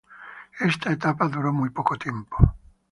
Esta etapa duró muy poco tiempo.